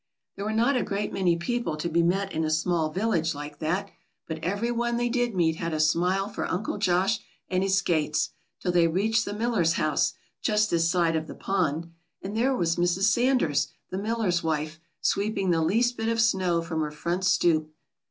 There were not a great many people to be met in a small village like that, but every one they did meet had a smile for Uncle Josh and his skates, till they reached the miller's house, just this side of the pond. And there was Mrs. Sanders, the miller's wife, sweeping the least bit of snow from her front stoop.